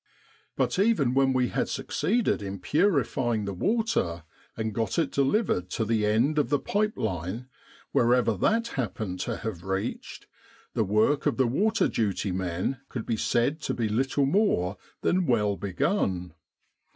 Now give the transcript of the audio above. But even when we had succeeded in purifying the water, and got it delivered to the end of the pipe line wherever that happened to have reached the work of the water duty men could be said to be little more than well begun.